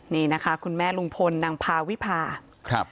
นี่นะคะคุณแม่ลุงพลนางพาวิพาครับ